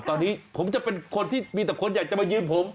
ตอนนี้ผมจะเป็นคนที่มีแต่คนอยากจะมายืนผม